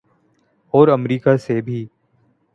اور امریکہ سے بھی۔